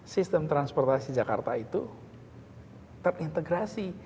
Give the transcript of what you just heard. sistem transportasi jakarta itu terintegrasi